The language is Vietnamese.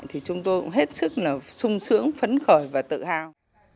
thì chúng tôi cũng hết sức là sung sướng phấn khởi và tự hào